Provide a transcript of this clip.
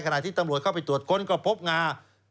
ขณะที่ตำรวจเข้าไปตรวจค้นก็พบงา